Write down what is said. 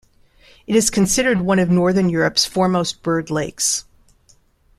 It is considered one of northern Europe's foremost bird lakes.